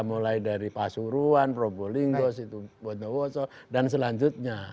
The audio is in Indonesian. mulai dari pak suruan prof balinggos bwono woso dan selanjutnya